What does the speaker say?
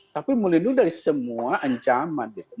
tapi melindungi dari semua ancaman